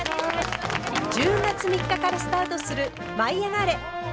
１０月３日からスタートする「舞いあがれ！」。